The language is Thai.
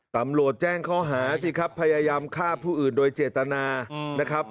ตำรวจแจ้งข้อหาสิครับพยายามฆ่าผู้อื่นโดยเจตนานะครับ